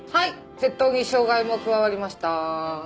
窃盗に傷害も加わりました。